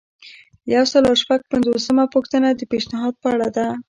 یو سل او شپږ پنځوسمه پوښتنه د پیشنهاد په اړه ده.